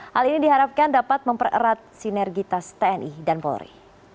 hal ini diharapkan dapat mempererat sinergitas tni dan polri